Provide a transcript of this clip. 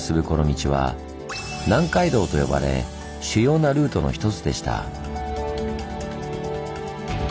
この道は「南海道」と呼ばれ主要なルートの一つでした。